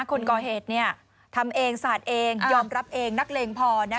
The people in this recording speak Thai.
คนก่อเหตุทำเองศาสตร์เองยอมรับเองนักเรงพอนะคะ